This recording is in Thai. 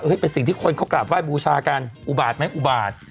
เฮ้ยเป็นสิ่งที่คนเขากลับว่ายบูชากันอุบาทไหมอุบาท